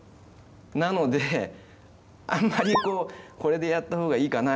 なのであんまりこうこれでやった方がいいかな？